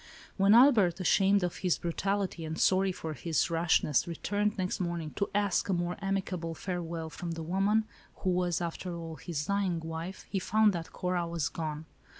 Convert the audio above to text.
When Albert, ashamed of his brutality, and sorry for his rashness, returned next morning to ask a more amicable farewell from the woman, who was, after all, his dying wife, he found that Cora was gone.